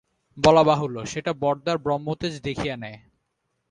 বলা বাহুল্য, সেটা বরদার ব্রহ্মতেজ দেখিয়া নেয়।